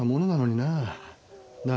なあ？